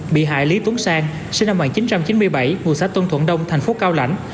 bị hại lý tún sang sinh năm một nghìn chín trăm chín mươi bảy ngụ xã tôn thuận đông thành phố cao lãnh